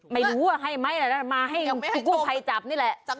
ไม่รู้ว่าให้มั้ยนะมาให้กลุ้งถ่ายจับนี่แหละ